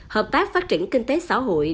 hợp tác phát triển kinh tế xã hội